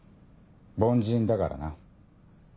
凡人だからな。